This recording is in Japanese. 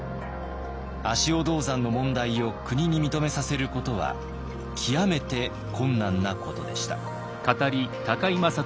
足尾銅山の問題を国に認めさせることは極めて困難なことでした。